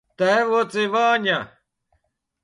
Tēvoci Vaņa!